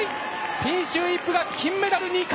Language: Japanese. ピンシュー・イップが金メダル、２冠！